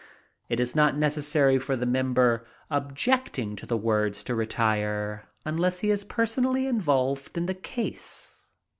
It is not necessary for the member objecting to the words to retire, unless he is personally involved in the case.